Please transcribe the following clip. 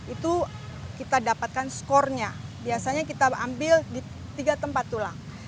itu kita dapatkan skornya biasanya kita ambil di tiga tempat tulang